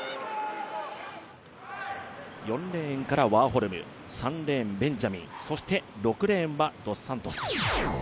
４レーンからワーホルム３レーン、ベンジャミンそして６レーンはドス・サントス。